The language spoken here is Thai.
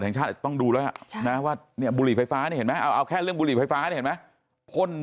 แห่งชาติต้องดูรักแต่ว่ามีบุหรี่ไฟฟ้านี้แล้วแค่บุหรี่ไฟฟ้าแล้วไอมะคน